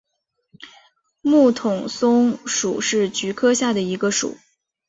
木筒篙属是菊科下的一个属。